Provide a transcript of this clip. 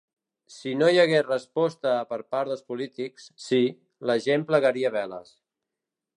Si no hi hagués resposta per part dels polítics, sí, la gent plegaria veles.